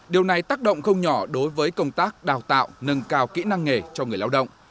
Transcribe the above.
điều này tác động không nhỏ đối với công tác đào tạo nâng cao kỹ năng nghề cho người lao động